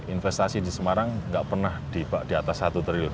investasi di semarang nggak pernah di atas satu triliun